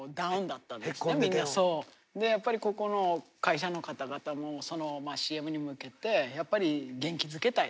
やっぱりここの会社の方々もＣＭに向けてやっぱり元気づけたい。